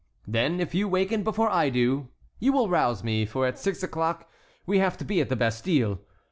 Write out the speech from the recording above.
Then if you waken before I do, you will rouse me, for at six o'clock we have to be at the Bastille.